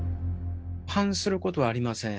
反することはありません。